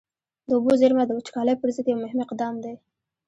د اوبو زېرمه د وچکالۍ پر ضد یو مهم اقدام دی.